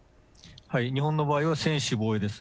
日本の場合は専守防衛です。